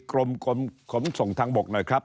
กรมขนส่งทางบกหน่อยครับ